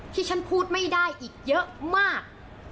ที่ฉันพูดไม่ได้อีกเยอะมาก